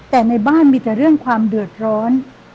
แต่ในบ้านมีแต่เรื่องความเดือดร้อน